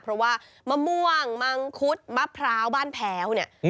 เพราะว่ามะม่วงมังคุดมะพร้าวบ้านแพ้วเนี่ย